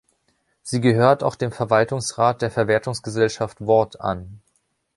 Sie gehört auch dem Verwaltungsrat der Verwertungsgesellschaft Wort an.